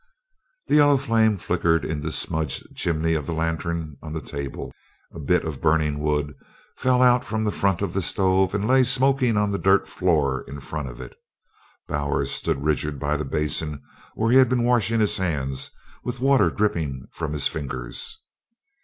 The yellow flame flickered in the smudged chimney of the lantern on the table, a bit of burning wood fell out from the front of the stove and lay smoking on the dirt floor in front of it. Bowers stood rigid by the basin where he had been washing his hands, with the water dripping from his fingers.